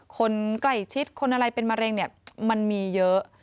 คนใกล้ชิดคนอะไรเป็นมะเร็งเนี่ยมันมีเยอะ